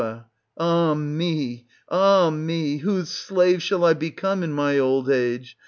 Ah me ! ah me ! Whose slave shall I become in my old age